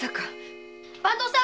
番頭さん